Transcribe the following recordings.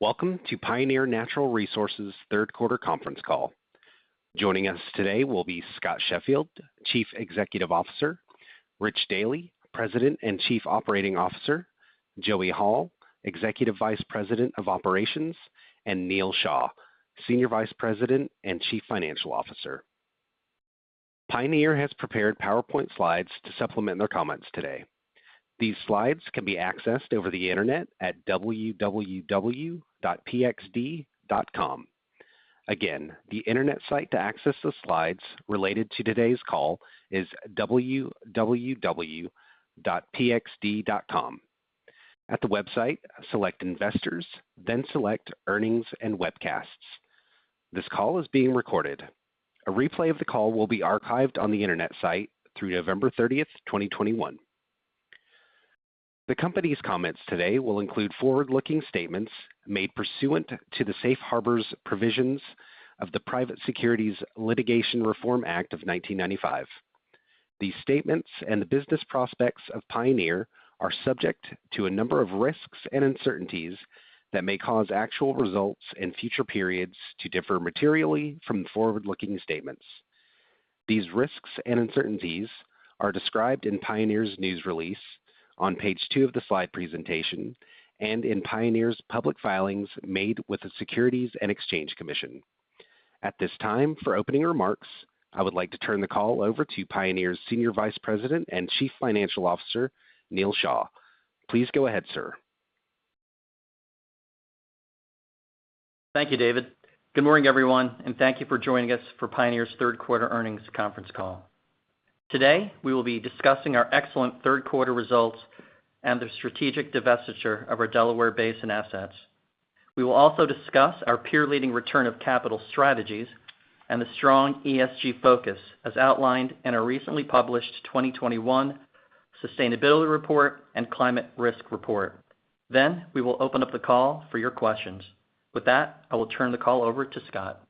Welcome to Pioneer Natural Resources' third quarter conference call. Joining us today will be Scott Sheffield, Chief Executive Officer, Rich Dealy, President and Chief Operating Officer, Joey Hall, Executive Vice President of Operations, and Neal Shah, Senior Vice President and Chief Financial Officer. Pioneer has prepared PowerPoint slides to supplement their comments today. These slides can be accessed over the internet at pxd.com. Again, the internet site to access the slides related to today's call is pxd.com. At the website, select Investors, then select Earnings and Webcasts. This call is being recorded. A replay of the call will be archived on the internet site through 30 November, 2021. The company's comments today will include forward-looking statements made pursuant to the safe harbor provisions of the Private Securities Litigation Reform Act of 1995. These statements and the business prospects of Pioneer are subject to a number of risks and uncertainties that may cause actual results in future periods to differ materially from the forward-looking statements. These risks and uncertainties are described in Pioneer's news release on page two of the slide presentation and in Pioneer's public filings made with the Securities and Exchange Commission. At this time, for opening remarks, I would like to turn the call over to Pioneer's Senior Vice President and Chief Financial Officer, Neal H. Shah. Please go ahead, sir. Thank you, David. Good morning, everyone, and thank you for joining us for Pioneer's third quarter earnings conference call. Today, we will be discussing our excellent third quarter results and the strategic divestiture of our Delaware Basin assets. We will also discuss our peer-leading return of capital strategies and the strong ESG focus, as outlined in our recently published 2021 Sustainability Report and Climate Risk Report. We will open up the call for your questions. With that, I will turn the call over to Scott.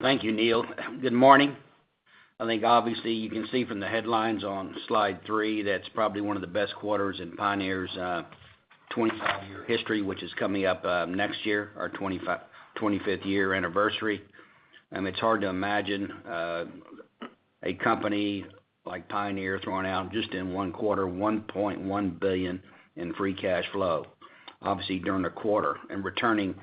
Thank you, Neil. Good morning. I think obviously you can see from the headlines on slide three that it's probably one of the best quarters in Pioneer's 25-year history, which is coming up next year, our 25th year anniversary. It's hard to imagine a company like Pioneer throwing out, just in one quarter, $1.1 billion in free cash flow, obviously during the quarter, and returning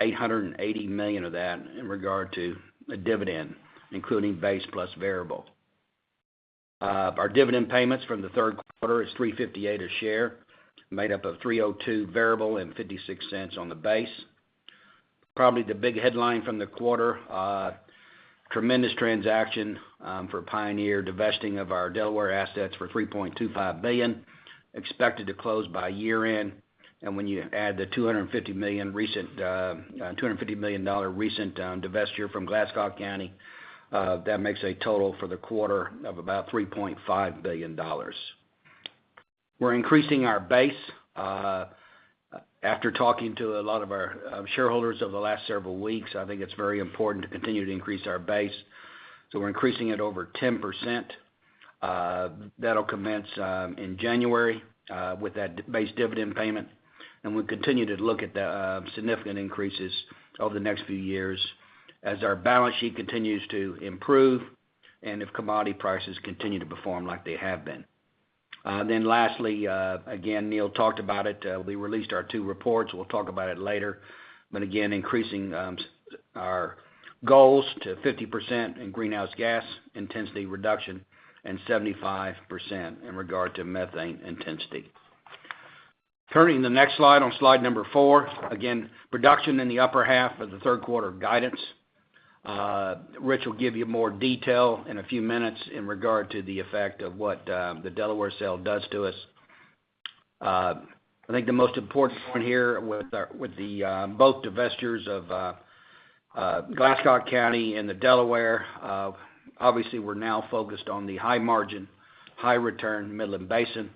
$880 million of that in regard to a dividend, including base plus variable. Our dividend payments from the third quarter is $3.58 a share, made up of $3.02 variable and 56 cents on the base. Probably the big headline from the quarter, tremendous transaction for Pioneer, divesting of our Delaware assets for $3.25 billion, expected to close by year-end. When you add the $250 million recent divestiture from Glasscock County, that makes a total for the quarter of about $3.5 billion. We're increasing our base. After talking to a lot of our shareholders over the last several weeks, I think it's very important to continue to increase our base. We're increasing it over 10%. That'll commence in January with that base dividend payment. We continue to look at significant increases over the next few years as our balance sheet continues to improve and if commodity prices continue to perform like they have been. Then lastly, again, Neil talked about it, we released our two reports. We'll talk about it later. Again, increasing our goals to 50% in greenhouse gas intensity reduction and 75% in regard to methane intensity. Turning to the next slide, on slide four, again, production in the upper half of the third quarter guidance. Rich will give you more detail in a few minutes in regard to the effect of what the Delaware sale does to us. I think the most important point here with our both divestitures of Glasscock County and the Delaware, obviously we're now focused on the high margin, high return Midland Basin.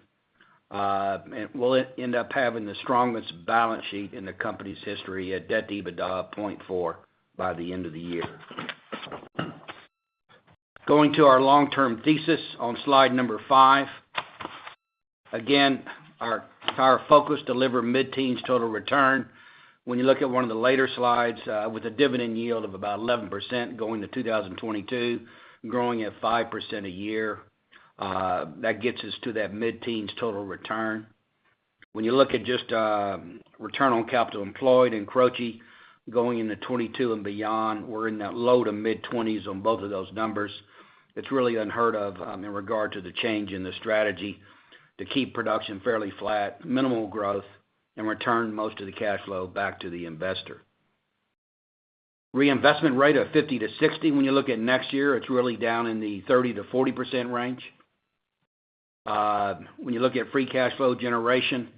We'll end up having the strongest balance sheet in the company's history at debt-EBITDA of 0.4 by the end of the year. Going to our long-term thesis on slide five. Again, our focus, deliver mid-teens total return. When you look at one of the later slides, with a dividend yield of about 11% going to 2022, growing at 5% a year, that gets us to that mid-teens total return. When you look at just return on capital employed and CROCI going into 2022 and beyond, we're in that low- to mid-20s on both of those numbers. It's really unheard of in regard to the change in the strategy to keep production fairly flat, minimal growth, and return most of the cash flow back to the investor. Reinvestment rate of 50%-60%. When you look at next year, it's really down in the 30%-40% range. When you look at free cash flow generation,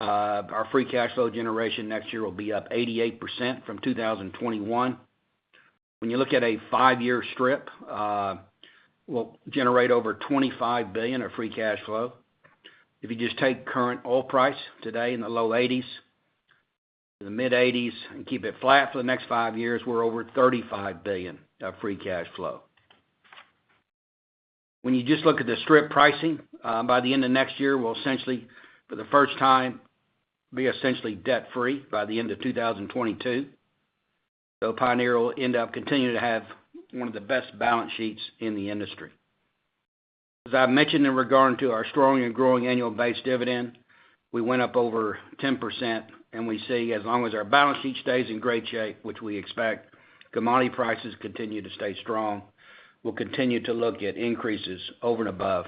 our free cash flow generation next year will be up 88% from 2021. When you look at a five-year strip, we'll generate over $25 billion of free cash flow. If you just take current oil price today in the low $80s, in the mid-$80s, and keep it flat for the next five years, we're over $35 billion of free cash flow. When you just look at the strip pricing, by the end of next year, we'll essentially, for the first time, be essentially debt-free by the end of 2022. Pioneer will end up continuing to have one of the best balance sheets in the industry. As I mentioned in regard to our strong and growing annual base dividend, we went up over 10%, and we see, as long as our balance sheet stays in great shape, which we expect, commodity prices continue to stay strong, we'll continue to look at increases over and above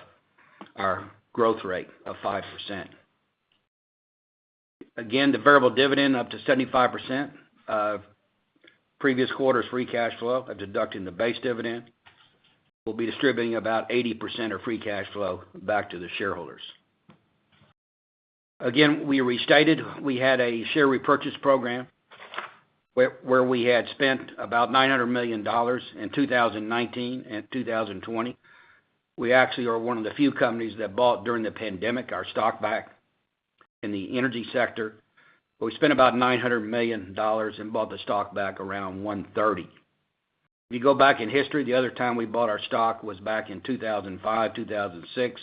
our growth rate of 5%. Again, the variable dividend up to 75% of previous quarter's free cash flow after deducting the base dividend. We'll be distributing about 80% of free cash flow back to the shareholders. Again, we restated we had a share repurchase program where we had spent about $900 million in 2019 and 2020. We actually are one of the few companies that bought our stock back during the pandemic in the energy sector. We spent about $900 million and bought the stock back around $130. If you go back in history, the other time we bought our stock was back in 2005, 2006.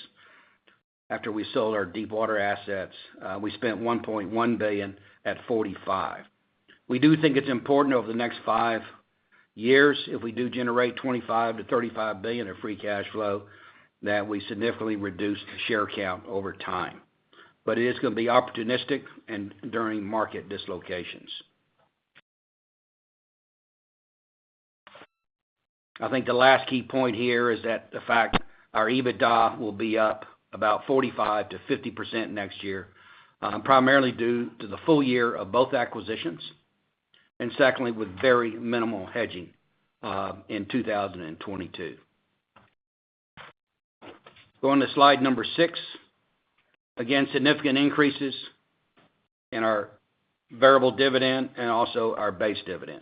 After we sold our deepwater assets, we spent $1.1 billion at $45. We do think it's important over the next fivsix years, if we do generate $25 billion-$35 billion in free cash flow, that we significantly reduce share count over time. It is gonna be opportunistic and during market dislocations. I think the last key point here is that the fact our EBITDA will be up about 45%-50% next year, primarily due to the full year of both acquisitions, and secondly, with very minimal hedging, in 2022. Go on to slide six. Again, significant increases in our variable dividend and also our base dividend.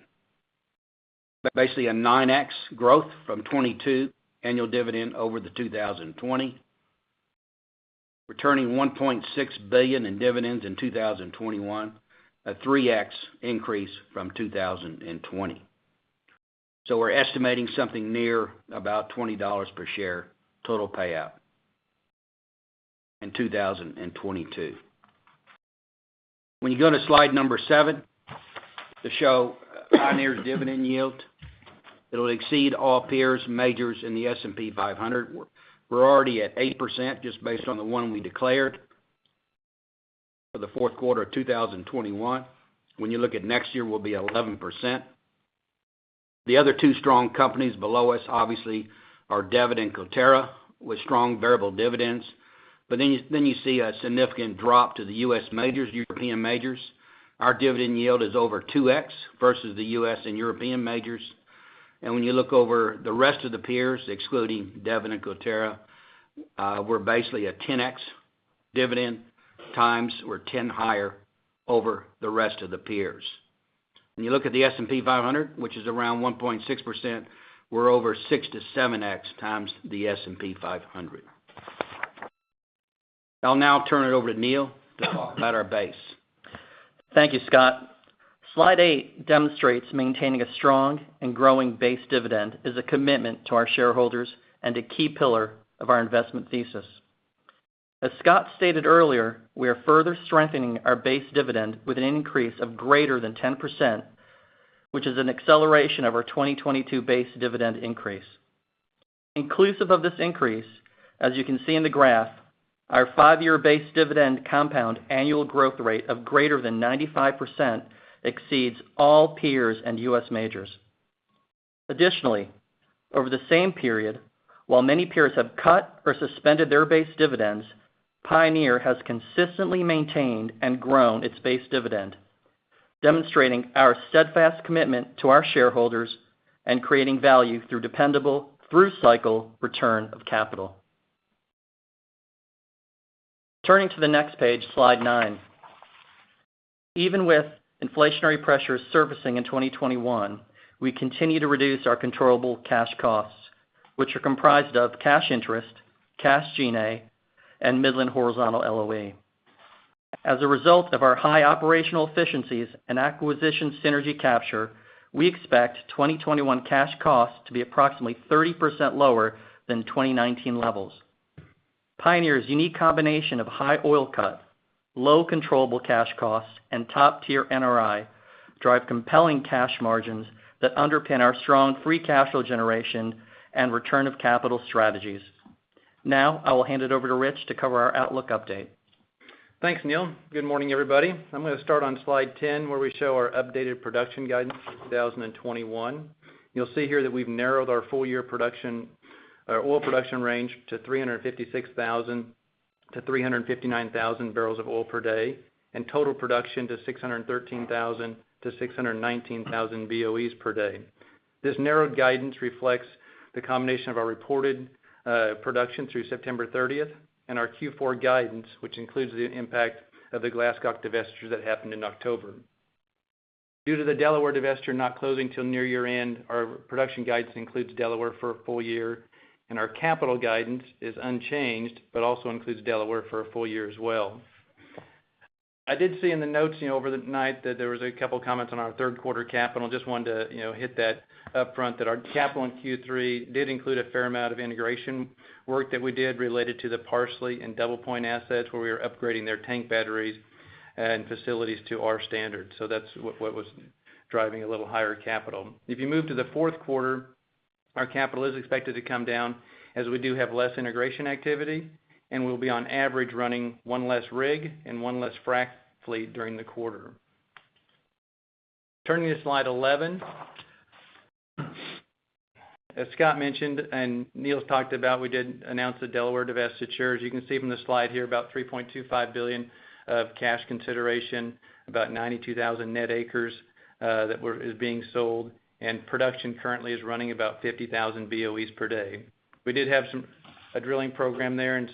Basically, a 9x growth from 2022 annual dividend over the 2020. Returning $1.6 billion in dividends in 2021, a 3x increase from 2020. We're estimating something near about $20 per share total payout in 2022. When you go to slide seven, to show Pioneer's dividend yield, it'll exceed all peers, majors in the S&P 500. We're already at 8% just based on the one we declared for the fourth quarter of 2021. When you look at next year, we'll be at 11%. The other two strong companies below us obviously are Devon and Coterra with strong variable dividends. But then you see a significant drop to the U.S. majors, European majors. Our dividend yield is over 2x versus the U.S. and European majors. When you look over the rest of the peers, excluding Devon and Coterra, we're basically a 10x dividend times or 10 higher over the rest of the peers. When you look at the S&P 500, which is around 1.6%, we're over 6x-7x times the S&P 500. I'll now turn it over to Neil to talk about our base. Thank you, Scott. Slide 8 demonstrates maintaining a strong and growing base dividend is a commitment to our shareholders and a key pillar of our investment thesis. As Scott stated earlier, we are further strengthening our base dividend with an increase of greater than 10%, which is an acceleration of our 2022 base dividend increase. Inclusive of this increase, as you can see in the graph, our five-year base dividend compound annual growth rate of greater than 95% exceeds all peers and U.S. majors. Additionally, over the same period, while many peers have cut or suspended their base dividends, Pioneer has consistently maintained and grown its base dividend, demonstrating our steadfast commitment to our shareholders and creating value through dependable through cycle return of capital. Turning to the next page, slide nine. Even with inflationary pressures surfacing in 2021, we continue to reduce our controllable cash costs, which are comprised of cash interest, cash G&A, and Midland horizontal LOE. As a result of our high operational efficiencies and acquisition synergy capture, we expect 2021 cash costs to be approximately 30% lower than 2019 levels. Pioneer's unique combination of high oil cut, low controllable cash costs, and top-tier NRI drive compelling cash margins that underpin our strong free cash flow generation and return of capital strategies. Now, I will hand it over to Rich to cover our outlook update. Thanks, Neil. Good morning, everybody. I'm gonna start on slide 10, where we show our updated production guidance for 2021. You'll see here that we've narrowed our full year production, our oil production range to 356,000-359,000 barrels of oil per day and total production to 613,000-619,000 BOEs per day. This narrowed guidance reflects the combination of our reported production through September 30 and our Q4 guidance, which includes the impact of the Glasscock divestiture that happened in October. Due to the Delaware divestiture not closing till near year-end, our production guidance includes Delaware for a full year, and our capital guidance is unchanged, but also includes Delaware for a full year as well. I did see in the notes, you know, overnight that there was a couple comments on our third quarter capital. Just wanted to, you know, hit that up front that our capital in Q3 did include a fair amount of integration work that we did related to the Parsley and DoublePoint assets, where we were upgrading their tank batteries and facilities to our standards. So that's what was driving a little higher capital. If you move to the fourth quarter, our capital is expected to come down as we do have less integration activity, and we'll be on average, running one less rig and one less frack fleet during the quarter. Turning to slide 11. As Scott mentioned and Neal's talked about, we did announce the Delaware divestiture. As you can see from the slide here, about $3.25 billion of cash consideration, about 92,000 net acres, that is being sold, and production currently is running about 50,000 BOEs per day. We did have a drilling program there, and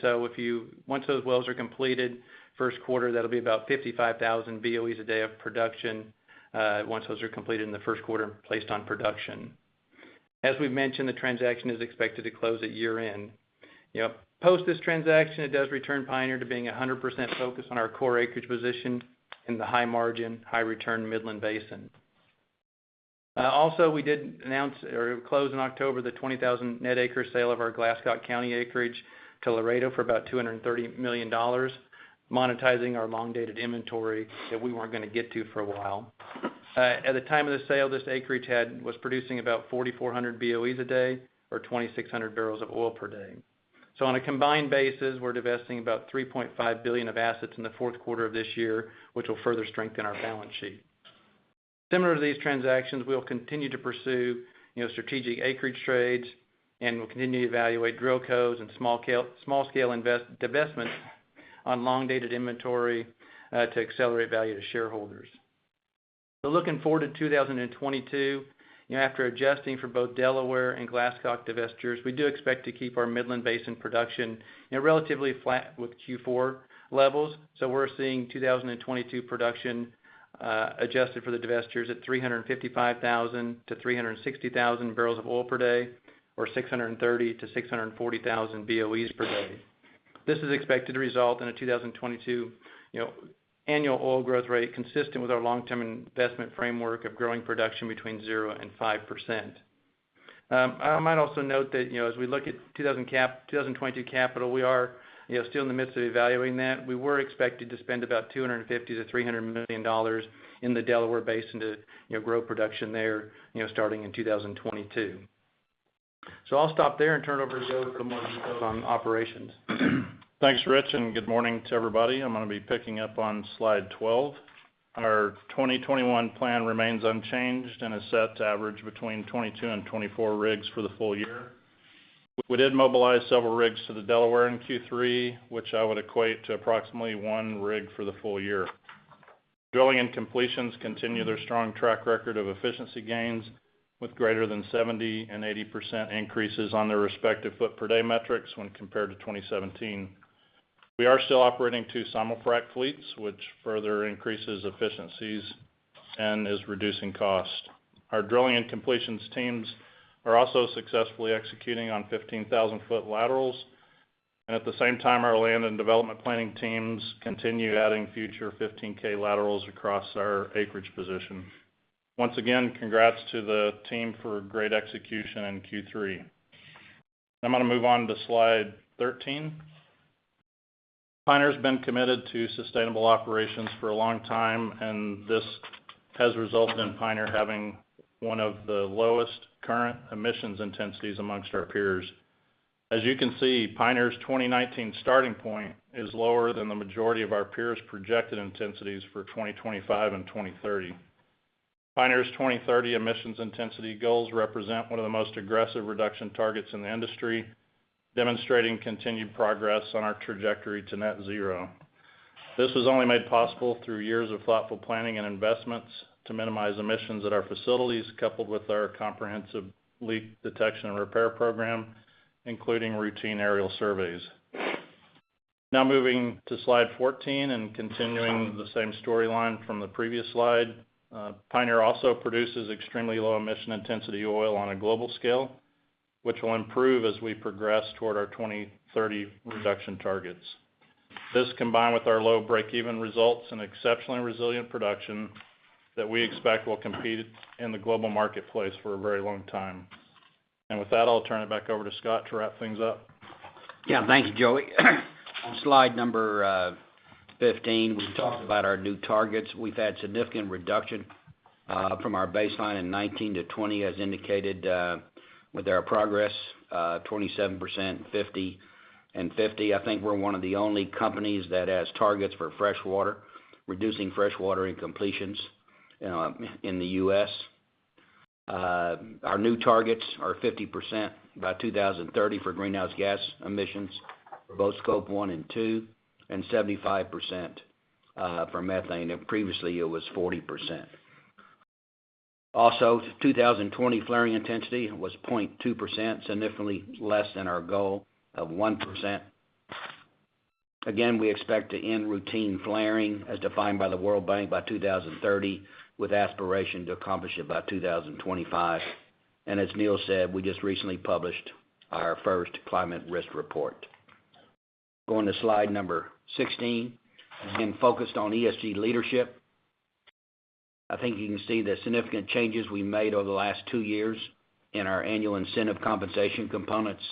once those wells are completed, first quarter, that'll be about 55,000 BOEs a day of production, once those are completed in the first quarter and placed on production. As we've mentioned, the transaction is expected to close at year-end. You know, post this transaction, it does return Pioneer to being 100% focused on our core acreage position in the high margin, high return Midland Basin. Also, we did announce or close in October the 20,000 net acre sale of our Glasscock County acreage to Laredo Petroleum for about $230 million, monetizing our long-dated inventory that we weren't gonna get to for a while. At the time of the sale, this acreage was producing about 4,400 BOEs a day or 2,600 barrels of oil per day. On a combined basis, we're divesting about $3.5 billion of assets in the fourth quarter of this year, which will further strengthen our balance sheet. Similar to these transactions, we'll continue to pursue, you know, strategic acreage trades, and we'll continue to evaluate DrillCos and small scale divestments on long-dated inventory to accelerate value to shareholders. Looking forward to 2022, you know, after adjusting for both Delaware and Glasscock divestitures, we do expect to keep our Midland Basin production, you know, relatively flat with Q4 levels. We're seeing 2022 production adjusted for the divestitures at 355,000-360,000 barrels of oil per day or 630,000-640,000 BOEs per day. This is expected to result in a 2022, you know, annual oil growth rate consistent with our long-term investment framework of growing production between 0%-5%. I might also note that, you know, as we look at 2022 capital, we are, you know, still in the midst of evaluating that. We were expected to spend about $250-300 million in the Delaware Basin to, you know, grow production there, you know, starting in 2022. I'll stop there and turn it over to Joey for more details on operations. Thanks, Rich, and good morning to everybody. I'm gonna be picking up on slide 12. Our 2021 plan remains unchanged and is set to average between 22-24 rigs for the full year. We did mobilize several rigs to the Delaware in Q3, which I would equate to approximately one rig for the full year. Drilling and completions continue their strong track record of efficiency gains with greater than 70% and 80% increases on their respective foot per day metrics when compared to 2017. We are still operating two simulfrac fleets, which further increases efficiencies and is reducing cost. Our drilling and completions teams are also successfully executing on 15,000-foot laterals. At the same time, our land and development planning teams continue adding future 15K laterals across our acreage position. Once again, congrats to the team for great execution in Q3. I'm gonna move on to slide 13. Pioneer has been committed to sustainable operations for a long time, and this has resulted in Pioneer having one of the lowest current emissions intensities amongst our peers. As you can see, Pioneer's 2019 starting point is lower than the majority of our peers' projected intensities for 2025 and 2030. Pioneer's 2030 emissions intensity goals represent one of the most aggressive reduction targets in the industry, demonstrating continued progress on our trajectory to net zero. This was only made possible through years of thoughtful planning and investments to minimize emissions at our facilities, coupled with our comprehensive leak detection and repair program, including routine aerial surveys. Now moving to slide 14 and continuing the same storyline from the previous slide. Pioneer also produces extremely low emission intensity oil on a global scale, which will improve as we progress toward our 2030 reduction targets. This, combined with our low break-even results and exceptionally resilient production that we expect will compete in the global marketplace for a very long time. With that, I'll turn it back over to Scott to wrap things up. Yeah. Thank you, Joey. On slide number 15, we've talked about our new targets. We've had significant reduction from our baseline in 2019 to 2020 as indicated with our progress 27%, 50 and 50. I think we're one of the only companies that has targets for fresh water, reducing fresh water in completions in the U.S. Our new targets are 50% by 2030 for greenhouse gas emissions for both Scope 1 and 2, and 75% for methane. Previously, it was 40%. Also, 2020 flaring intensity was 0.2%, significantly less than our goal of 1%. Again, we expect to end routine flaring as defined by the World Bank by 2030, with aspiration to accomplish it by 2025. As Neil said, we just recently published our first Climate Risk Report. Going to slide number 16. Again, focused on ESG leadership. I think you can see the significant changes we made over the last two years in our annual incentive compensation components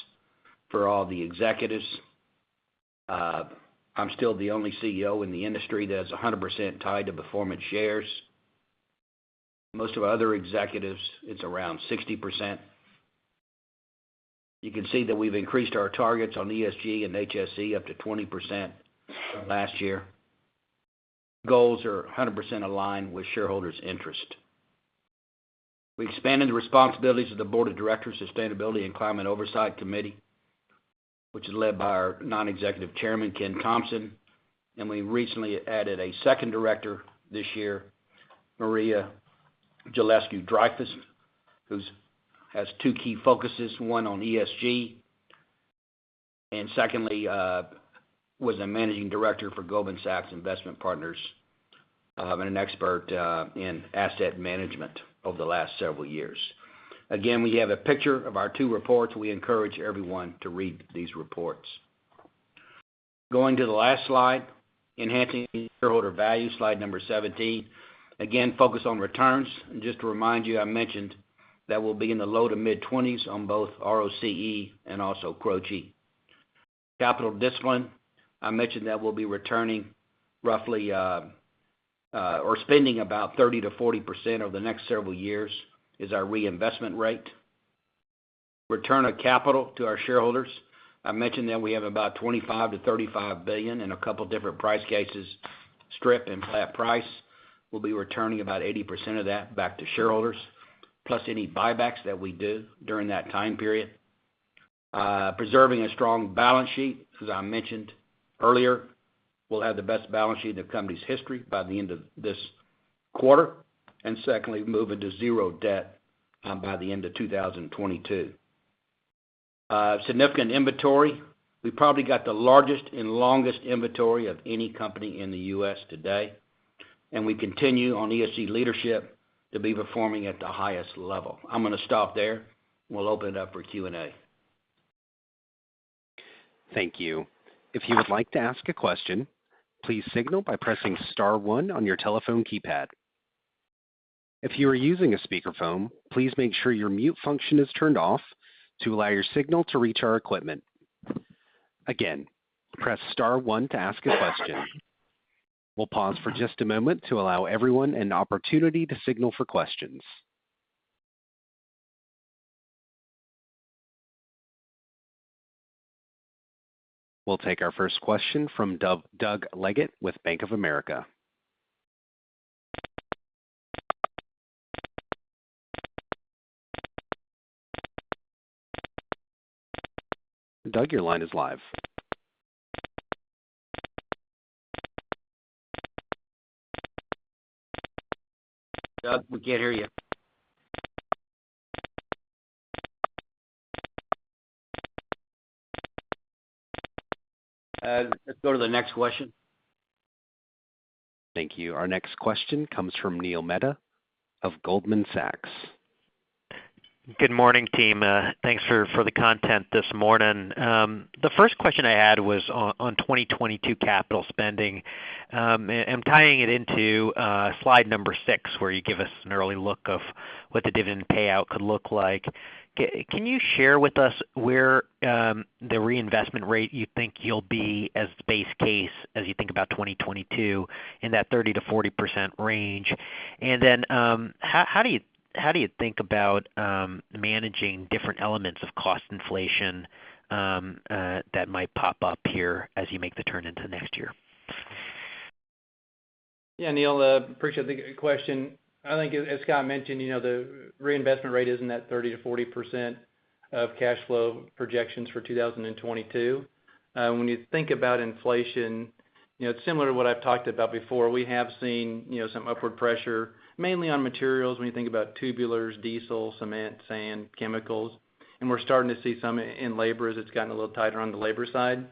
for all the executives. I'm still the only CEO in the industry that is 100% tied to performance shares. Most of our other executives, it's around 60%. You can see that we've increased our targets on ESG and HSE up to 20% from last year. Goals are 100% aligned with shareholders' interest. We expanded the responsibilities of the board of directors sustainability and climate oversight committee, which is led by our Non-Executive Chairman, Ken Thompson. We recently added a second director this year, Maria Jelescu Dreyfus, who has two key focuses, one on ESG, and secondly, was a managing director for Goldman Sachs Investment Partners, and an expert in asset management over the last several years. Again, we have a picture of our two reports. We encourage everyone to read these reports. Going to the last slide, enhancing shareholder value. Slide number 17. Again, focus on returns. Just to remind you, I mentioned that we'll be in the low to mid-20s on both ROCE and also CROCI. Capital discipline. I mentioned that we'll be returning roughly or spending about 30%-40% over the next several years is our reinvestment rate. Return of capital to our shareholders. I mentioned that we have about $25 billion-$35 billion in a couple different price cases, strip and flat price. We'll be returning about 80% of that back to shareholders, plus any buybacks that we do during that time period. Preserving a strong balance sheet. As I mentioned earlier, we'll have the best balance sheet in the company's history by the end of this quarter. Secondly, moving to zero debt, by the end of 2022. Significant inventory. We probably got the largest and longest inventory of any company in the U.S. today. We continue on ESG leadership to be performing at the highest level. I'm gonna stop there. We'll open it up for Q&A. Thank you. If you would like to ask a question, please signal by pressing star one on your telephone keypad. If you are using a speakerphone, please make sure your mute function is turned off to allow your signal to reach our equipment. Again, press star one to ask a question. We'll pause for just a moment to allow everyone an opportunity to signal for questions. We'll take our first question from Doug Leggate with Bank of America. Doug, your line is live. Doug, we can't hear you. Let's go to the next question. Thank you. Our next question comes from Neil Mehta of Goldman Sachs. Good morning, team. Thanks for the content this morning. The first question I had was on 2022 capital spending and tying it into slide six, where you give us an early look of what the dividend payout could look like. Can you share with us where the reinvestment rate you think you'll be as base case as you think about 2022 in that 30%-40% range? How do you think about managing different elements of cost inflation that might pop up here as you make the turn into next year? Yeah, Neil, appreciate the question. I think as Scott mentioned, you know, the reinvestment rate is in that 30%-40% of cash flow projections for 2022. When you think about inflation, you know, it's similar to what I've talked about before. We have seen, you know, some upward pressure, mainly on materials, when you think about tubulars, diesel, cement, sand, chemicals. We're starting to see some in labor as it's gotten a little tighter on the labor side.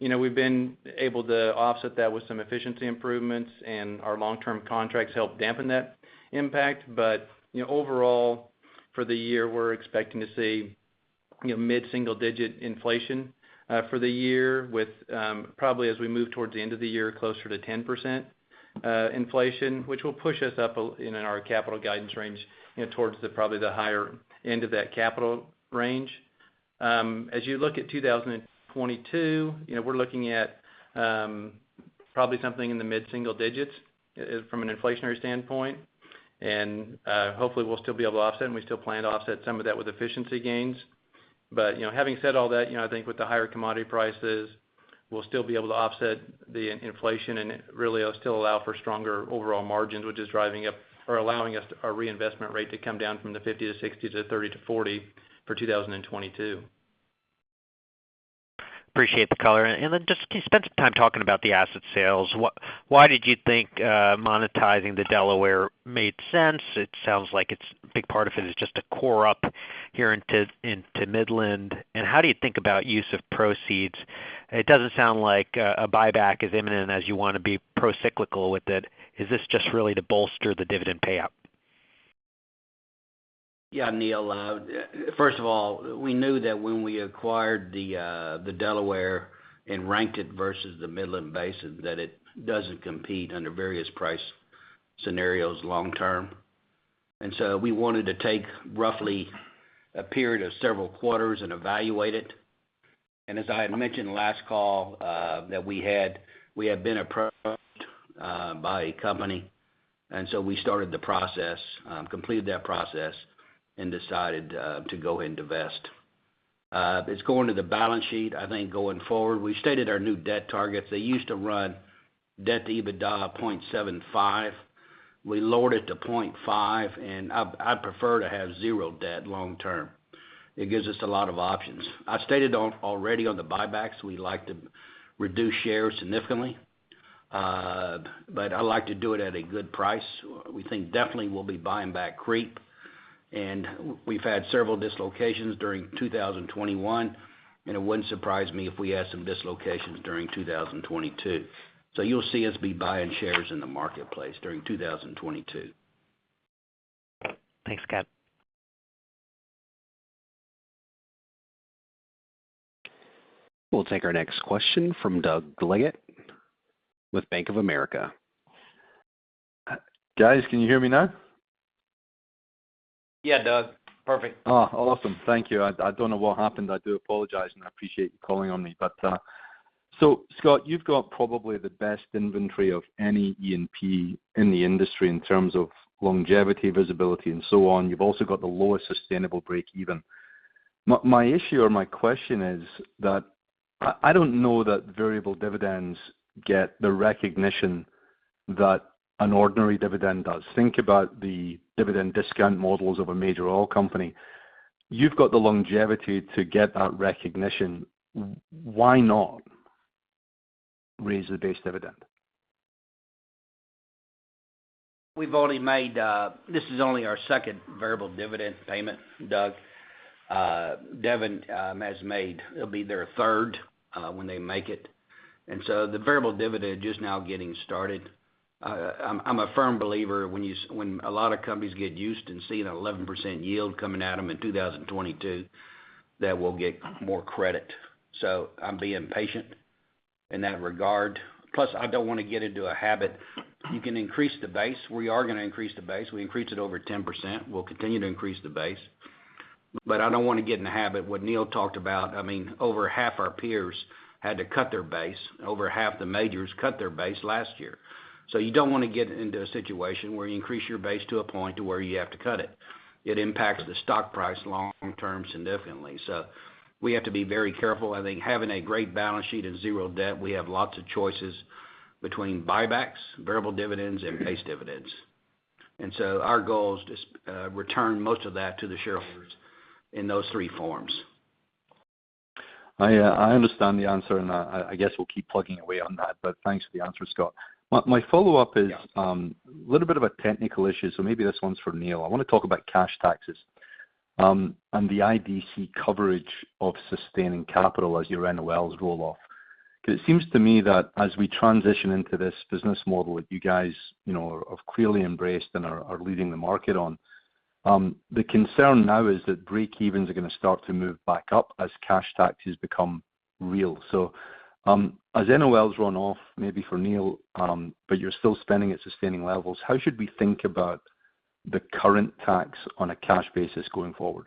You know, we've been able to offset that with some efficiency improvements, and our long-term contracts help dampen that impact. You know, overall for the year, we're expecting to see, you know, mid-single digit inflation for the year with probably as we move towards the end of the year, closer to 10% inflation, which will push us up in our capital guidance range, you know, towards the, probably the higher end of that capital range. As you look at 2022, you know, we're looking at probably something in the mid-single digits from an inflationary standpoint. Hopefully we'll still be able to offset, and we still plan to offset some of that with efficiency gains. You know, having said all that, you know, I think with the higher commodity prices, we'll still be able to offset the inflation, and it really will still allow for stronger overall margins, which is driving up or allowing us our reinvestment rate to come down from the 50%-60% to 30%-40% for 2022. Appreciate the color. Then just can you spend some time talking about the asset sales. Why did you think monetizing the Delaware made sense? It sounds like it's a big part of it is just to core up here into Midland. How do you think about use of proceeds? It doesn't sound like a buyback is imminent as you wanna be procyclical with it. Is this just really to bolster the dividend payout? Yeah, Neil, first of all, we knew that when we acquired the Delaware and ranked it versus the Midland Basin, that it doesn't compete under various price scenarios long term. We wanted to take roughly a period of several quarters and evaluate it. As I had mentioned last call, that we have been approached by a company. We started the process, completed that process and decided to go and divest. It's going to the balance sheet, I think, going forward. We stated our new debt targets. They used to run debt-to-EBITDA of 0.75. We lowered it to 0.5, and I prefer to have zero debt long term. It gives us a lot of options. Already on the buybacks, we like to reduce shares significantly, but I like to do it at a good price. We think definitely we'll be buying back cheap. We've had several dislocations during 2021, and it wouldn't surprise me if we had some dislocations during 2022. You'll see us be buying shares in the marketplace during 2022. Thanks, Scott. We'll take our next question from Doug Leggate with Bank of America. Guys, can you hear me now? Yeah, Doug. Perfect. Oh, awesome. Thank you. I don't know what happened. I do apologize, and I appreciate you calling on me. Scott, you've got probably the best inventory of any E&P in the industry in terms of longevity, visibility, and so on. You've also got the lowest sustainable breakeven. My issue or my question is that I don't know that variable dividends get the recognition that an ordinary dividend does. Think about the dividend discount models of a major oil company. You've got the longevity to get that recognition. Why not raise the base dividend? This is only our second variable dividend payment, Doug. Devon has made, it'll be their third, when they make it. The variable dividend just now getting started. I'm a firm believer when a lot of companies get used to seeing an 11% yield coming at them in 2022, that we'll get more credit. I'm being patient in that regard. Plus, I don't wanna get into a habit. You can increase the base. We are gonna increase the base. We increased it over 10%. We'll continue to increase the base. I don't wanna get in the habit, what Neil talked about, I mean, over half our peers had to cut their base. Over half the majors cut their base last year. You don't wanna get into a situation where you increase your base to a point to where you have to cut it. It impacts the stock price long term significantly. We have to be very careful. I think having a great balance sheet and zero debt, we have lots of choices between buybacks, variable dividends, and base dividends. Our goal is to return most of that to the shareholders in those three forms. I understand the answer, and I guess we'll keep plugging away on that. Thanks for the answer, Scott. My follow-up is a little bit of a technical issue, so maybe this one's for Neil. I wanna talk about cash taxes and the IDC coverage of sustaining capital as your NOLs roll off. Because it seems to me that as we transition into this business model that you guys, you know, have clearly embraced and are leading the market on, the concern now is that breakevens are gonna start to move back up as cash taxes become real. As NOLs run off, maybe for Neil, but you're still spending at sustaining levels, how should we think about the current tax on a cash basis going forward?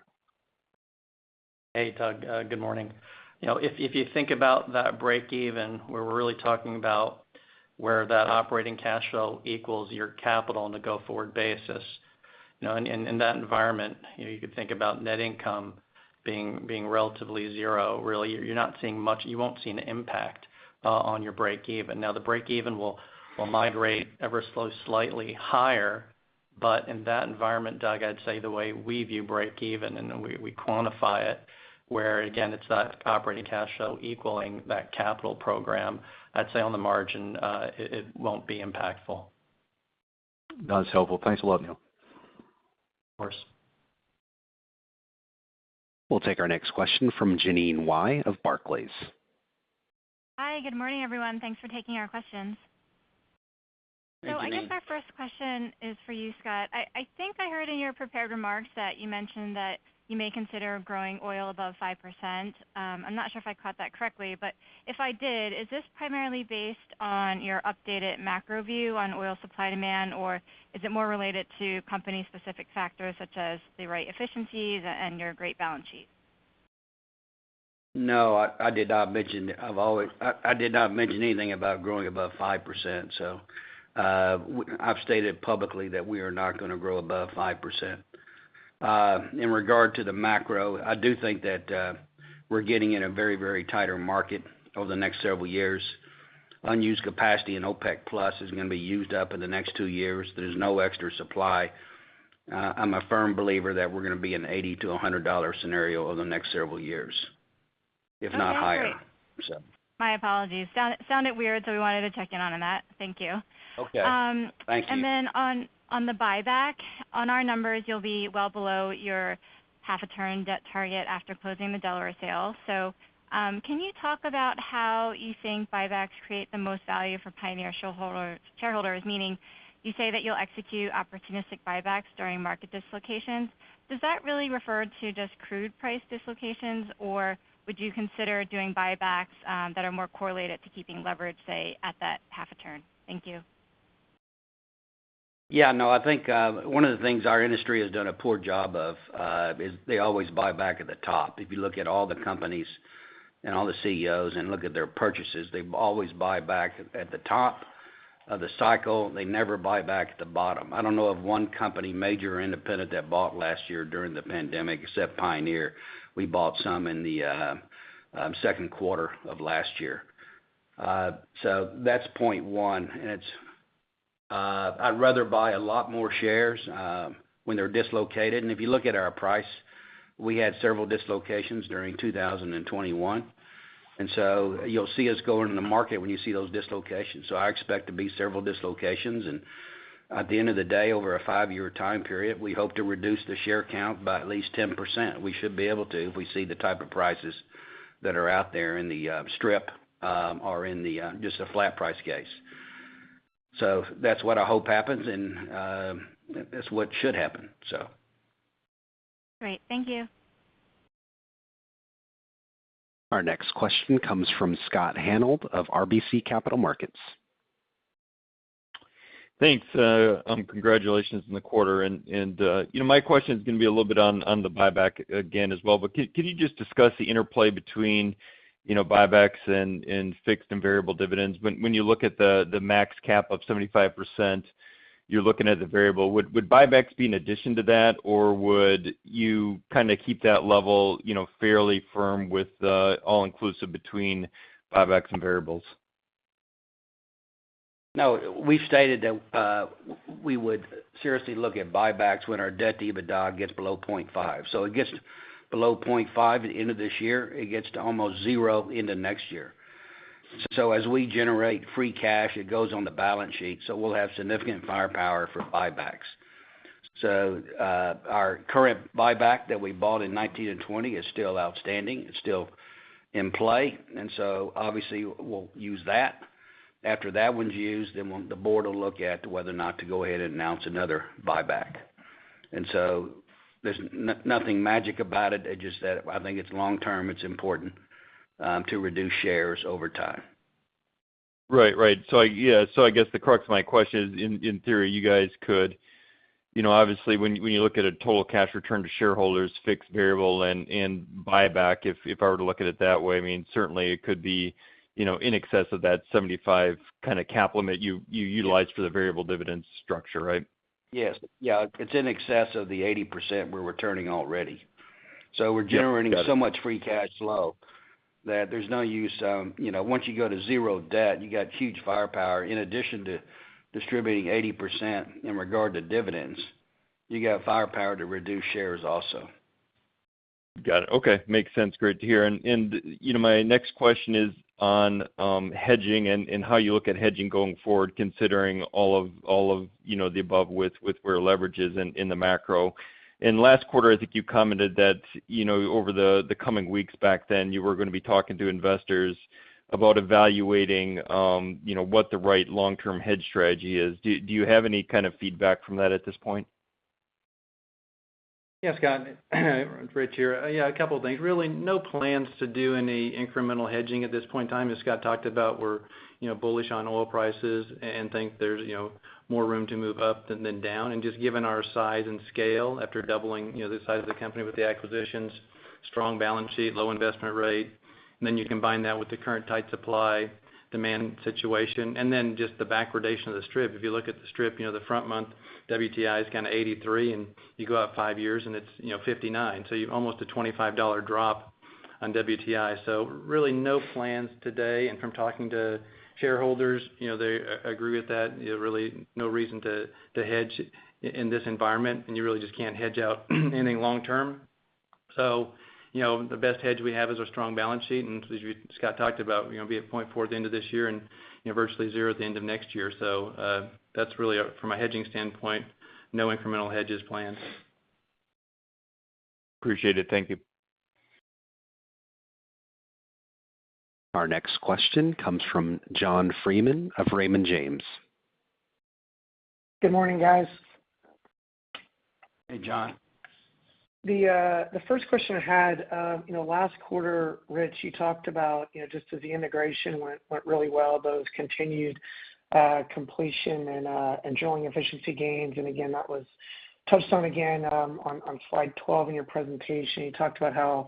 Hey, Doug, good morning. You know, if you think about that breakeven, where we're really talking about where that operating cash flow equals your capital on a go-forward basis, you know, in that environment, you know, you could think about net income being relatively zero, really. You're not seeing much. You won't see an impact on your breakeven. Now, the breakeven will migrate ever so slightly higher. In that environment, Doug, I'd say the way we view breakeven and the way we quantify it, where again, it's that operating cash flow equaling that capital program, I'd say on the margin, it won't be impactful. That's helpful. Thanks a lot, Neil. Of course. We'll take our next question from Jeanine Wai of Barclays. Hi, good morning, everyone. Thanks for taking our questions. Good morning. I guess my first question is for you, Scott. I think I heard in your prepared remarks that you mentioned that you may consider growing oil above 5%. I'm not sure if I caught that correctly, but if I did, is this primarily based on your updated macro view on oil supply demand, or is it more related to company specific factors such as the right efficiencies and your great balance sheet? No, I did not mention anything about growing above 5%, so. I've stated publicly that we are not gonna grow above 5%. In regard to the macro, I do think that we're getting in a very, very tighter market over the next several years. Unused capacity in OPEC+ is gonna be used up in the next two years. There's no extra supply. I'm a firm believer that we're gonna be in an $80-100 scenario over the next several years, if not higher. Okay. So. My apologies. Sounded weird, so we wanted to check in on that. Thank you. Okay. Thank you. On the buyback, on our numbers, you'll be well below your half-turn debt target after closing the Delaware sale. Can you talk about how you think buybacks create the most value for Pioneer shareholders? Meaning, you say that you'll execute opportunistic buybacks during market dislocations. Does that really refer to just crude price dislocations, or would you consider doing buybacks that are more correlated to keeping leverage, say, at that half a turn? Thank you. Yeah, no, I think one of the things our industry has done a poor job of is they always buy back at the top. If you look at all the companies and all the CEOs and look at their purchases, they always buy back at the top of the cycle. They never buy back at the bottom. I don't know of one company, major or independent, that bought last year during the pandemic except Pioneer. We bought some in the second quarter of last year. So that's point one, and it's I'd rather buy a lot more shares when they're dislocated. If you look at our price, we had several dislocations during 2021. You'll see us go into the market when you see those dislocations. I expect to be several dislocations. At the end of the day, over a five-year time period, we hope to reduce the share count by at least 10%. We should be able to if we see the type of prices that are out there in the strip or in the just a flat price case. That's what I hope happens, and that's what should happen. Great. Thank you. Our next question comes from Scott Hanold of RBC Capital Markets. Thanks, congratulations on the quarter. You know, my question is gonna be a little bit on the buyback again as well. Can you just discuss the interplay between, you know, buybacks and fixed and variable dividends? When you look at the max cap of 75%, you're looking at the variable. Would buybacks be an addition to that, or would you kind of keep that level, you know, fairly firm with all inclusive between buybacks and variables? No, we stated that we would seriously look at buybacks when our debt-to-EBITDA gets below 0.5. It gets below 0.5 at the end of this year. It gets to almost 0 into next year. As we generate free cash, it goes on the balance sheet, so we'll have significant firepower for buybacks. Our current buyback that we bought in 2019 and 2020 is still outstanding. It's still in play. Obviously we'll use that. After that one's used, the board will look at whether or not to go ahead and announce another buyback. There's nothing magic about it. It's just that I think it's long term, it's important to reduce shares over time. Right. I guess the crux of my question is, in theory, you guys could, you know, obviously, when you look at a total cash return to shareholders, fixed, variable and buyback, if I were to look at it that way, I mean, certainly it could be, you know, in excess of that 75 kind of cap limit you utilized for the variable dividend structure, right? Yes. Yeah. It's in excess of the 80% we're returning already. Yeah. Got it. We're generating so much free cash flow that there's no use, you know, once you go to zero debt, you got huge firepower. In addition to distributing 80% in regard to dividends, you got firepower to reduce shares also. Got it. Okay. Makes sense. Great to hear. You know, my next question is on hedging and how you look at hedging going forward, considering all of you know, the above with where leverage is in the macro. In last quarter, I think you commented that you know, over the coming weeks back then, you were gonna be talking to investors about evaluating you know, what the right long-term hedge strategy is. Do you have any kind of feedback from that at this point? Yeah, Scott. Rich here. Yeah, a couple things. Really no plans to do any incremental hedging at this point in time. As Scott talked about, we're, you know, bullish on oil prices and think there's, you know, more room to move up than down. Just given our size and scale, after doubling, you know, the size of the company with the acquisitions, strong balance sheet, low investment rate. Then you combine that with the current tight supply/demand situation, and then just the backwardation of the strip. If you look at the strip, you know, the front month WTI is kind of $83, and you go out five years and it's, you know, $59. So you're almost a $25 drop on WTI. So really no plans today. From talking to shareholders, you know, they agree with that. You know, really no reason to hedge in this environment, and you really just can't hedge out anything long term. You know, the best hedge we have is our strong balance sheet. As you, Scott talked about, you know, be at 0.4 at the end of this year and, you know, virtually zero at the end of next year. That's really, from a hedging standpoint, no incremental hedges planned. Appreciate it. Thank you. Our next question comes from John Freeman of Raymond James. Good morning, guys. Hey, John. The first question I had, you know, last quarter, Rich, you talked about, you know, just as the integration went really well, those continued completion and drilling efficiency gains. Again, that was touched on slide 12 in your presentation. You talked about how,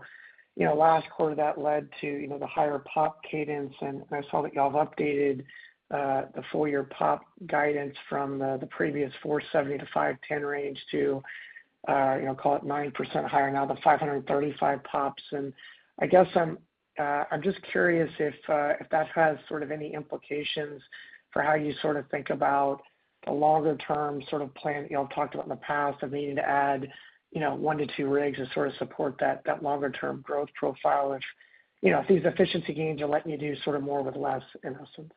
you know, last quarter that led to, you know, the higher POP cadence, and I saw that y'all have updated the full year POP guidance from the previous 470-510 range to, you know, call it 9% higher now, the 535 POPs. I guess I'm just curious if that has sort of any implications for how you sort of think about the longer term sort of plan y'all talked about in the past of needing to add, you know, one-two rigs to sort of support that longer term growth profile if, you know, if these efficiency gains are letting you do sort of more with less in a sense.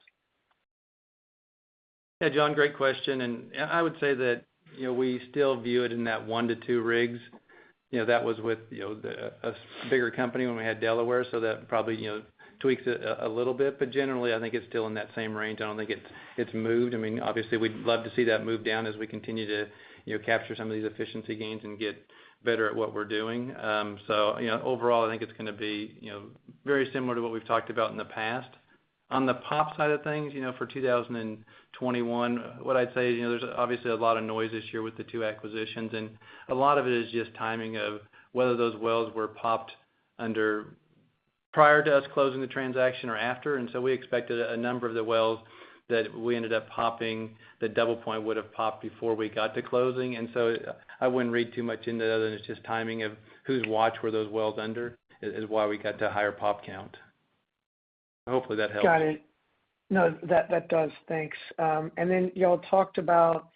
Yeah, John, great question. I would say that, you know, we still view it in that one-two rigs. You know, that was with, you know, a bigger company when we had Delaware, so that probably, you know, tweaks it a little bit. But generally, I think it's still in that same range. I don't think it's moved. I mean, obviously we'd love to see that move down as we continue to, you know, capture some of these efficiency gains and get better at what we're doing. You know, overall, I think it's gonna be, you know, very similar to what we've talked about in the past. On the POP side of things, you know, for 2021, what I'd say is, you know, there's obviously a lot of noise this year with the two acquisitions, and a lot of it is just timing of whether those wells were popped under prior to us closing the transaction or after. We expected a number of the wells that we ended up popping, that DoublePoint would have popped before we got to closing. I wouldn't read too much into it other than it's just timing of whose watch were those wells under is why we got to higher POP count. Hopefully that helps. Got it. No, that does. Thanks. And then y'all talked about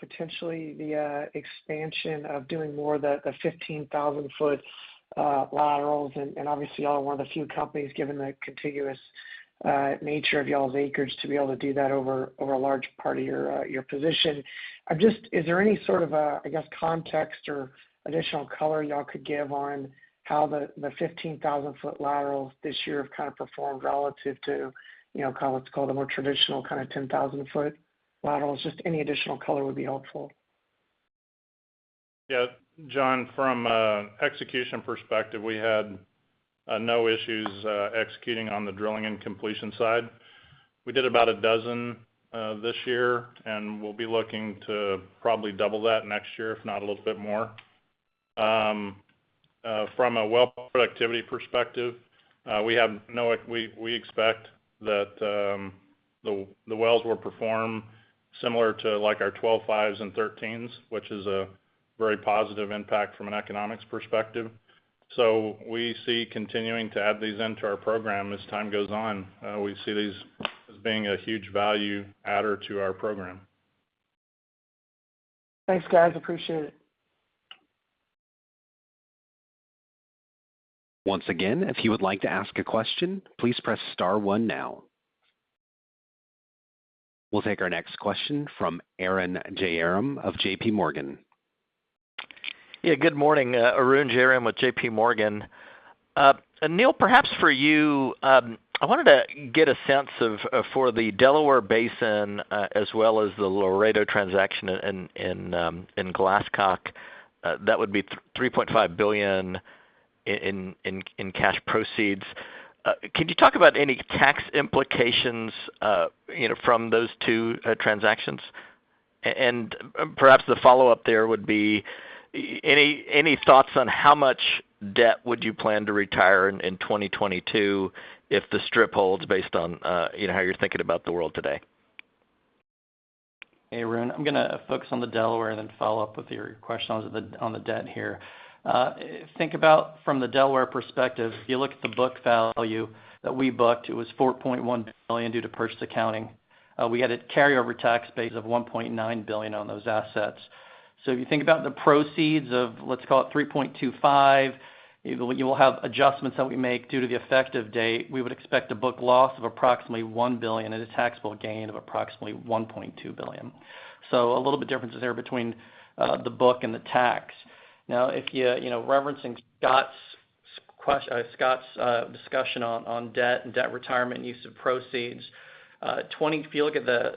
potentially the expansion of doing more the 15,000-foot laterals. And obviously, y'all are one of the few companies, given the contiguous nature of y'all's acreage, to be able to do that over a large part of your position. I'm just. Is there any sort of a, I guess, context or additional color y'all could give on how the 15,000-foot laterals this year have kind of performed relative to, you know, call it, called a more traditional kind of 10,000-foot laterals? Just any additional color would be helpful. Yeah. John, from execution perspective, we had no issues executing on the drilling and completion side. We did about 12 this year, and we'll be looking to probably double that next year, if not a little bit more. From a well productivity perspective, we expect that the wells will perform similar to like our 12 fives and 13s, which is a very positive impact from an economics perspective. We see continuing to add these into our program as time goes on. We see these as being a huge value adder to our program. Thanks, guys. Appreciate it. Once again, if you would like to ask a question, please press star one now. We'll take our next question from Arun Jayaram of JPMorgan. Yeah, good morning, Arun Jayaram with JPMorgan. Neil, perhaps for you, I wanted to get a sense of for the Delaware Basin, as well as the Laredo transaction in Glasscock, that would be $3.5 billion in cash proceeds. Could you talk about any tax implications, you know, from those two transactions? Perhaps the follow-up there would be any thoughts on how much debt would you plan to retire in 2022 if the strip holds based on, you know, how you're thinking about the world today? Hey, Arun. I'm gonna focus on the Delaware and then follow up with your question on the debt here. Think about from the Delaware perspective, if you look at the book value that we booked, it was $4.1 billion due to purchase accounting. We had a carryover tax base of $1.9 billion on those assets. If you think about the proceeds of, let's call it, $3.25 billion, you will have adjustments that we make due to the effective date. We would expect a book loss of approximately $1 billion and a taxable gain of approximately $1.2 billion. A little bit differences there between the book and the tax. Now, if you know, referencing Scott's discussion on debt and debt retirement and use of proceeds. If you look at the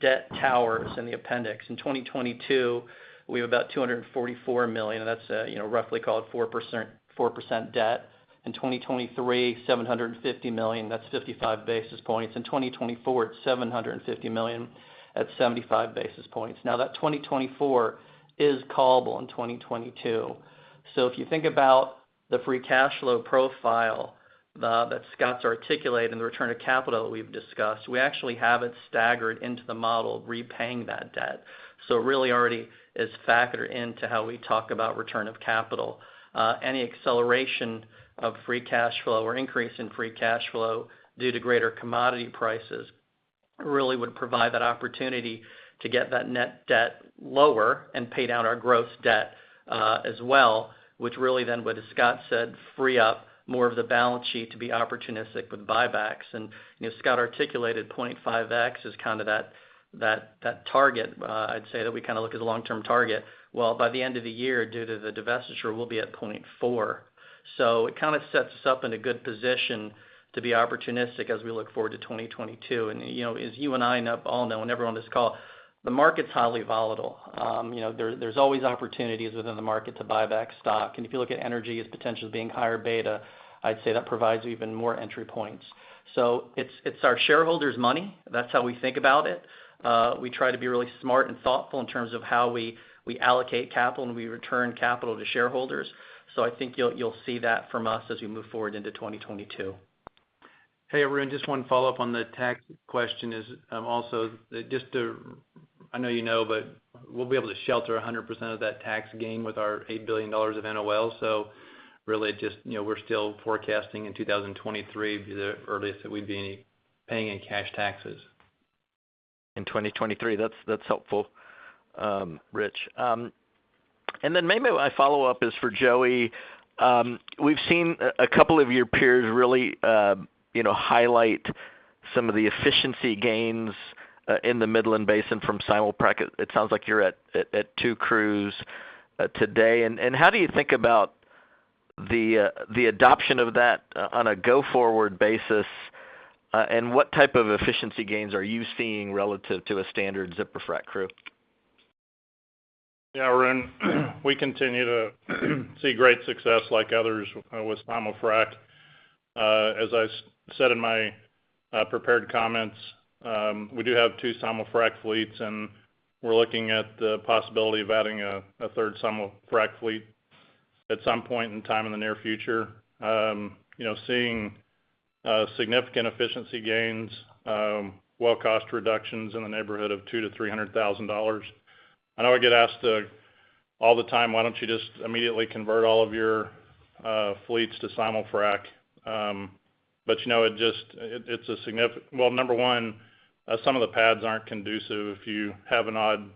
debt towers in the appendix, in 2022, we have about $244 million. That's, you know, roughly 4% debt. In 2023, $750 million, that's 55 basis points. In 2024, it's $750 million at 75 basis points. Now, that 2024 is callable in 2022. If you think about the free cash flow profile that Scott's articulated and the return of capital that we've discussed, we actually have it staggered into the model, repaying that debt. It really already is factored into how we talk about return of capital. Any acceleration of free cash flow or increase in free cash flow due to greater commodity prices really would provide that opportunity to get that net debt lower and pay down our gross debt, as well, which really then would, as Scott said, free up more of the balance sheet to be opportunistic with buybacks. You know, Scott articulated 0.5x as kind of that target. I'd say that we kind of look at the long-term target. Well, by the end of the year, due to the divestiture, we'll be at 0.4. It kind of sets us up in a good position to be opportunistic as we look forward to 2022. You know, as you and I know, all know, and everyone on this call, the market's highly volatile. You know, there's always opportunities within the market to buy back stock. If you look at energy as potentially being higher beta, I'd say that provides even more entry points. It's our shareholders' money. That's how we think about it. We try to be really smart and thoughtful in terms of how we allocate capital, and we return capital to shareholders. I think you'll see that from us as we move forward into 2022. Hey, Arun. Just one follow-up on the tax question is also I know you know, but we'll be able to shelter 100% of that tax gain with our $8 billion of NOL. Really just, you know, we're still forecasting in 2023 to be the earliest that we'd be paying any cash taxes. In 2023. That's helpful, Rich. Then maybe my follow-up is for Joey. We've seen a couple of your peers really, you know, highlight some of the efficiency gains in the Midland Basin from simulfrac. It sounds like you're at two crews today. How do you think about the adoption of that on a go-forward basis? What type of efficiency gains are you seeing relative to a standard zipper frac crew? Yeah, Arun, we continue to see great success like others with simulfrac. As I said in my prepared comments, we do have two simulfrac fleets, and we're looking at the possibility of adding a third simulfrac fleet at some point in time in the near future. You know, seeing significant efficiency gains, well cost reductions in the neighborhood of $200,000-300,000. I know I get asked all the time, "Why don't you just immediately convert all of your fleets to simulfrac?" You know, it just, it's a significant well, number one, some of the pads aren't conducive. If you have an odd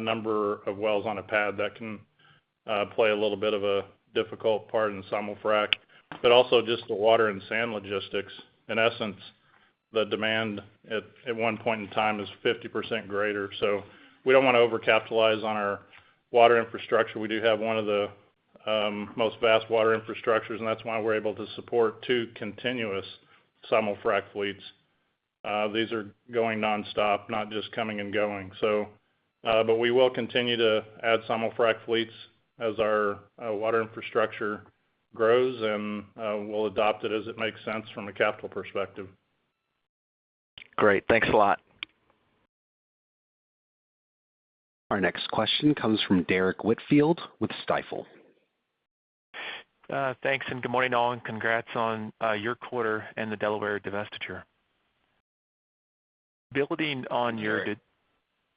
number of wells on a pad, that can play a little bit of a difficult part in simulfrac, but also just the water and sand logistics. In essence, the demand at one point in time is 50% greater. We don't wanna overcapitalize on our water infrastructure. We do have one of the most vast water infrastructures, and that's why we're able to support two continuous simulfrac fleets. These are going nonstop, not just coming and going. We will continue to add simulfrac fleets as our water infrastructure grows and we'll adopt it as it makes sense from a capital perspective. Great. Thanks a lot. Our next question comes from Derrick Whitfield with Stifel. Thanks, and good morning, all, and congrats on your quarter and the Delaware divestiture. Building on your di-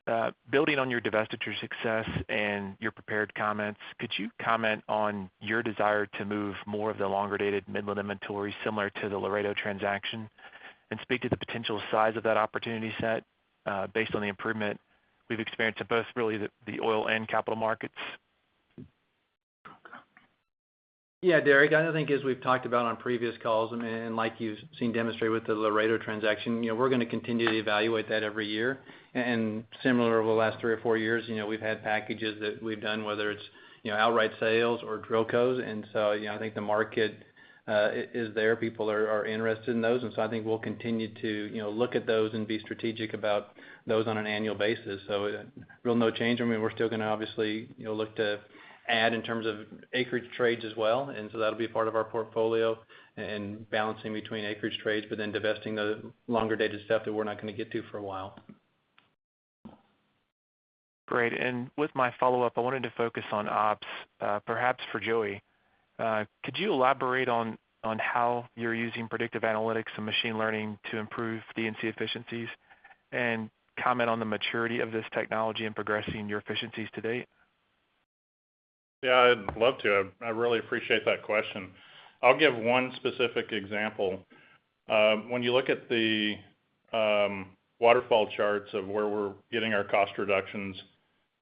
Good morning. Building on your divestiture success and your prepared comments, could you comment on your desire to move more of the longer-dated Midland inventory similar to the Laredo transaction, and speak to the potential size of that opportunity set, based on the improvement we've experienced in both really the oil and capital markets? Yeah, Derrick. I think as we've talked about on previous calls, and like you've seen demonstrated with the Laredo transaction, you know, we're gonna continue to evaluate that every year. Similar over the last three or four years, you know, we've had packages that we've done, whether it's, you know, outright sales or DrillCos. You know, I think the market is there. People are interested in those. I think we'll continue to, you know, look at those and be strategic about those on an annual basis. Real no change. I mean, we're still gonna obviously, you know, look to add in terms of acreage trades as well, and that'll be part of our portfolio and balancing between acreage trades, but then divesting the longer-dated stuff that we're not gonna get to for a while. Great. With my follow-up, I wanted to focus on ops, perhaps for Joey. Could you elaborate on how you're using predictive analytics and machine learning to improve D&C efficiencies, and comment on the maturity of this technology in progressing your efficiencies to date? Yeah, I'd love to. I really appreciate that question. I'll give one specific example. When you look at the waterfall charts of where we're getting our cost reductions,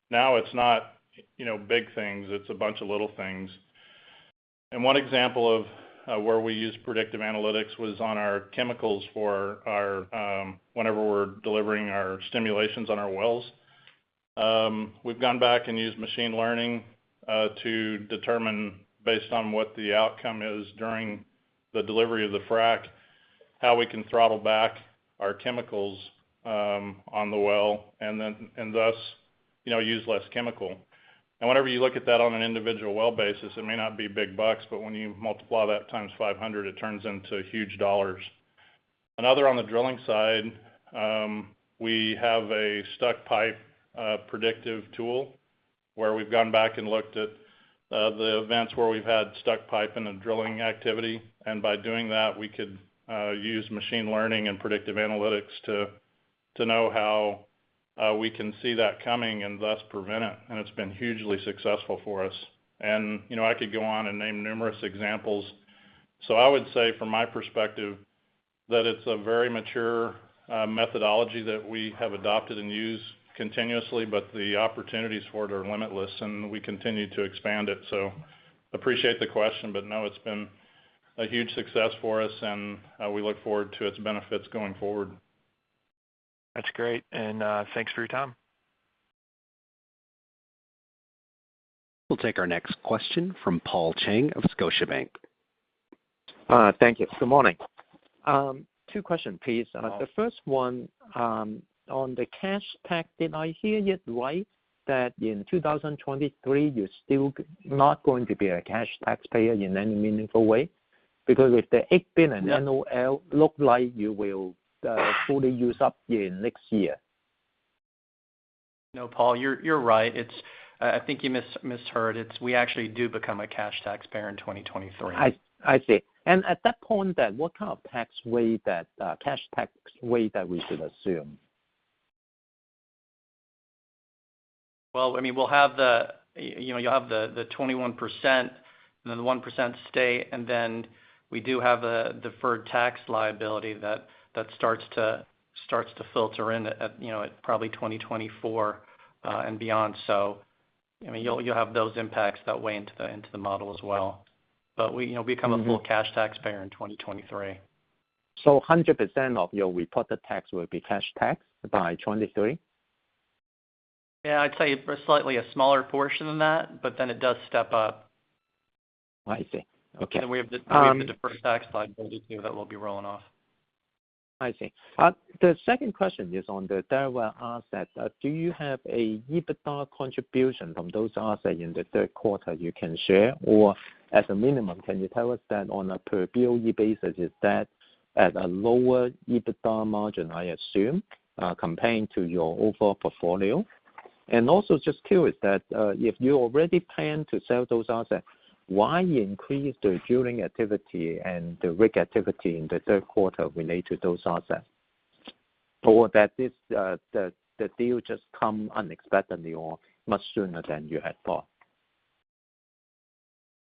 now it's not, you know, big things, it's a bunch of little things. One example of where we use predictive analytics was on our chemicals for our whenever we're delivering our stimulations on our wells. We've gone back and used machine learning to determine, based on what the outcome is during the delivery of the frac, how we can throttle back our chemicals on the well and thus, you know, use less chemical. Whenever you look at that on an individual well basis, it may not be big bucks, but when you multiply that times 500, it turns into huge dollars. Another on the drilling side, we have a stuck pipe predictive tool where we've gone back and looked at the events where we've had stuck pipe in a drilling activity, and by doing that, we could use machine learning and predictive analytics to know how we can see that coming and thus prevent it, and it's been hugely successful for us. You know, I could go on and name numerous examples. I would say from my perspective, that it's a very mature methodology that we have adopted and use continuously, but the opportunities for it are limitless, and we continue to expand it. Appreciate the question, but no, it's been a huge success for us, and we look forward to its benefits going forward. That's great. Thanks for your time. We'll take our next question from Paul Cheng of Scotiabank. Thank you. Good morning. Two questions, please. Paul. The first one, on the cash tax, did I hear it right that in 2023, you're still not going to be a cash taxpayer in any meaningful way? Because with the IDC- Yeah NOL look like you will fully use up in next year. No, Paul, you're right. It's, I think you misheard. It's, we actually do become a cash taxpayer in 2023. I see. At that point then, what kind of tax rate that, cash tax rate that we should assume? Well, I mean, we'll have the, you know, you'll have the 21%, and then 1% state, and then we do have a deferred tax liability that starts to filter in at, you know, at probably 2024 and beyond. I mean, you'll have those impacts that weigh into the model as well. We, you know, become- Mm-hmm. a full cash taxpayer in 2023. 100% of your reported tax will be cash tax by 2023? Yeah. I'd tell you for slightly a smaller portion than that, but then it does step up. I see. Okay. We have the deferred tax liability too that we'll be rolling off. I see. The second question is on the Delaware assets. Do you have a EBITDA contribution from those assets in the third quarter you can share? Or at a minimum, can you tell us that on a per BOE basis, is that at a lower EBITDA margin, I assume, comparing to your overall portfolio? And also just curious that, if you already plan to sell those assets, why increase the drilling activity and the rig activity in the third quarter related to those assets? Or that is, the deal just come unexpectedly or much sooner than you had thought.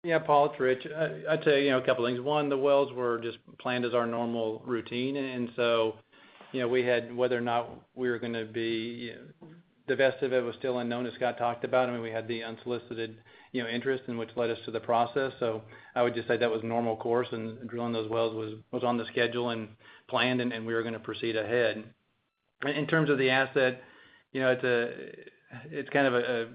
Yeah, Paul, it's Rich. I'd say, you know, a couple things. One, the wells were just planned as our normal routine, and so, you know, the best of it was still unknown as Scott talked about. I mean, we had the unsolicited, you know, interest and which led us to the process. I would just say that was normal course, and drilling those wells was on the schedule and planned, and we were gonna proceed ahead. In terms of the asset, you know, it's kind of a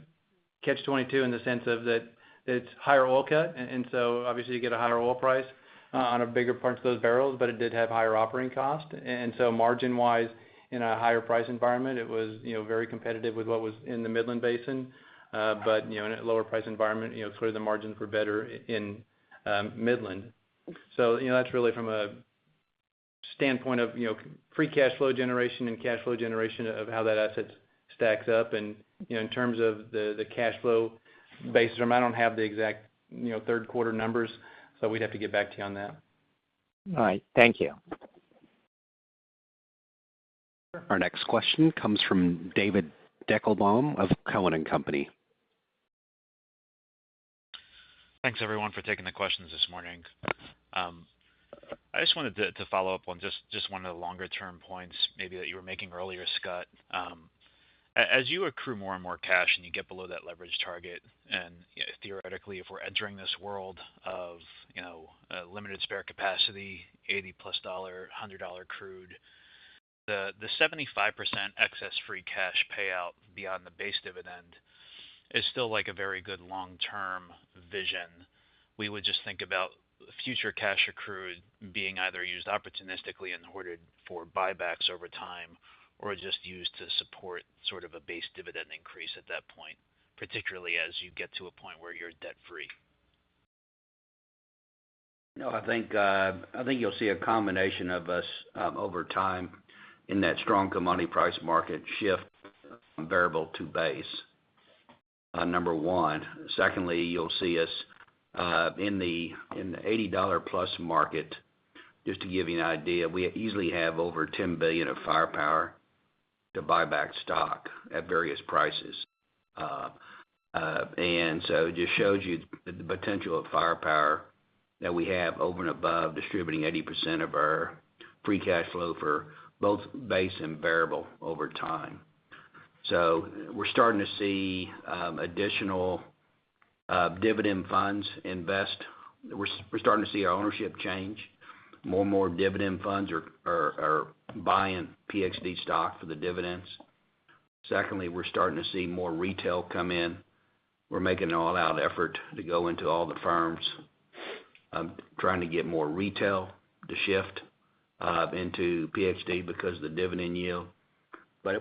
catch-22 in the sense that it's higher oil cut. Obviously you get a higher oil price on a bigger parts of those barrels, but it did have higher operating costs. Margin wise, in a higher price environment, it was, you know, very competitive with what was in the Midland basin. But, you know, in a lower price environment, you know, clearly the margins were better in Midland. That's really from a standpoint of, you know, free cash flow generation and cash flow generation of how that asset stacks up. You know, in terms of the cash flow basis, I don't have the exact, you know, third quarter numbers, so we'd have to get back to you on that. All right. Thank you. Our next question comes from David Deckelbaum of Cowen and Company. Thanks everyone for taking the questions this morning. I just wanted to follow up on just one of the longer-term points maybe that you were making earlier, Scott. As you accrue more and more cash and you get below that leverage target, and theoretically, if we're entering this world of, you know, limited spare capacity, $80+, $100 crude, the 75% excess free cash payout beyond the base dividend is still like a very good long-term vision. We would just think about future cash accrued being either used opportunistically and hoarded for buybacks over time or just used to support sort of a base dividend increase at that point, particularly as you get to a point where you're debt-free. No, I think you'll see a combination of us over time in that strong commodity price market shift from variable to base, number one. Secondly, you'll see us in the $80+ market. Just to give you an idea, we easily have over $10 billion of firepower to buy back stock at various prices. It just shows you the potential of firepower that we have over and above distributing 80% of our free cash flow for both base and variable over time. We're starting to see additional dividend funds invest. We're starting to see our ownership change. More and more dividend funds are buying PXD stock for the dividends. Secondly, we're starting to see more retail come in. We're making an all-out effort to go into all the firms, trying to get more retail to shift into PXD because of the dividend yield.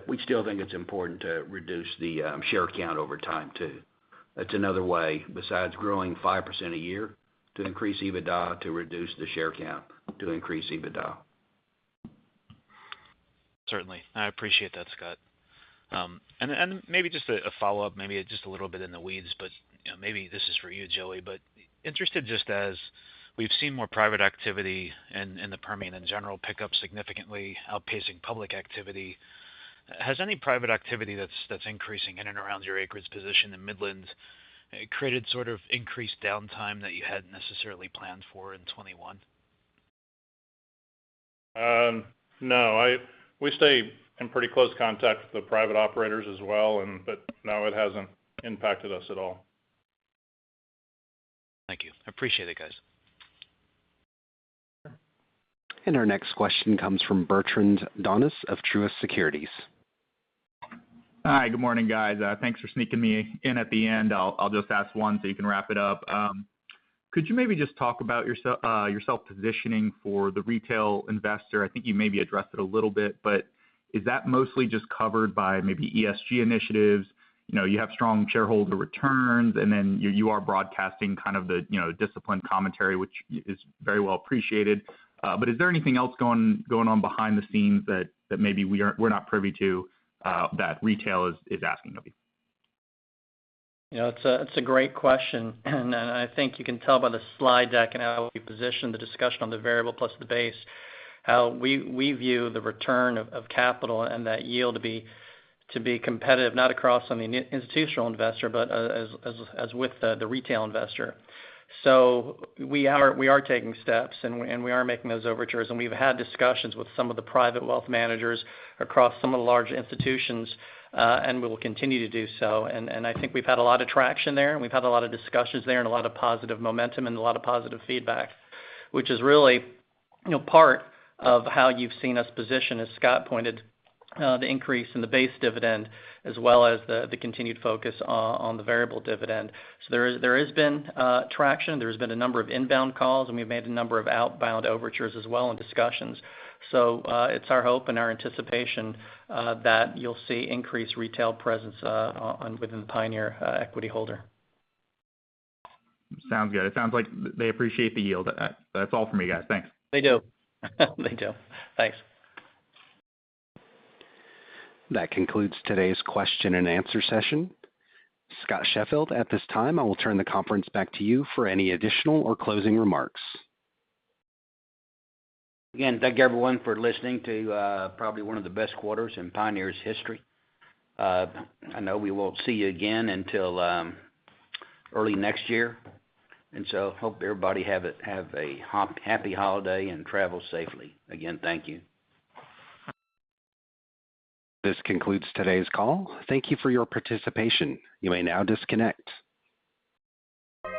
We still think it's important to reduce the share count over time too. That's another way, besides growing 5% a year to increase EBITDA, to reduce the share count to increase EBITDA. Certainly. I appreciate that, Scott. Maybe just a follow-up, maybe just a little bit in the weeds, but you know, maybe this is for you, Joey, but interested just as we've seen more private activity in the Permian in general pick up significantly, outpacing public activity. Has any private activity that's increasing in and around your acreage position in Midland created sort of increased downtime that you hadn't necessarily planned for in 2021? No. We stay in pretty close contact with the private operators as well, but no, it hasn't impacted us at all. Thank you. I appreciate it, guys. Our next question comes from Bertrand Donnes of Truist Securities. Hi, good morning, guys. Thanks for sneaking me in at the end. I'll just ask one so you can wrap it up. Could you maybe just talk about yourself positioning for the retail investor? I think you maybe addressed it a little bit, but is that mostly just covered by maybe ESG initiatives? You know, you have strong shareholder returns, and then you are broadcasting kind of the, you know, disciplined commentary, which is very well appreciated. But is there anything else going on behind the scenes that maybe we're not privy to, that retail is asking of you? You know, it's a great question, and I think you can tell by the slide deck and how we positioned the discussion on the variable plus the base, how we view the return of capital and that yield to be competitive, not with the institutional investor, but as with the retail investor. We are taking steps, and we are making those overtures, and we've had discussions with some of the private wealth managers across some of the large institutions, and we will continue to do so. I think we've had a lot of traction there, and we've had a lot of discussions there and a lot of positive momentum and a lot of positive feedback, which is really, you know, part of how you've seen us position, as Scott pointed, the increase in the base dividend as well as the continued focus on the variable dividend. There has been traction. There's been a number of inbound calls, and we've made a number of outbound overtures as well in discussions. It's our hope and our anticipation that you'll see increased retail presence within Pioneer equity holder. Sounds good. It sounds like they appreciate the yield. That's all for me, guys. Thanks. They do. Thanks. That concludes today's question and answer session. Scott Sheffield, at this time, I will turn the conference back to you for any additional or closing remarks. Again, thank you everyone for listening to probably one of the best quarters in Pioneer's history. I know we won't see you again until early next year, and so hope everybody have a happy holiday and travel safely. Again, thank you. This concludes today's call. Thank you for your participation. You may now disconnect.